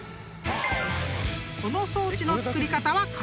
［この装置の作り方は簡単］